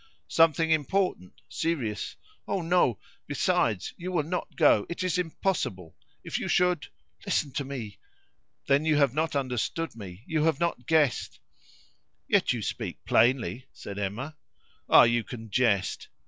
"Something important serious. Oh, no! Besides, you will not go; it is impossible. If you should listen to me. Then you have not understood me; you have not guessed " "Yet you speak plainly," said Emma. "Ah! you can jest.